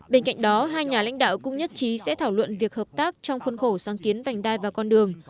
bên cạnh đó hai nhà lãnh đạo cũng nhất trí sẽ thảo luận việc hợp tác trong khuôn khổ sáng kiến vành đai và con đường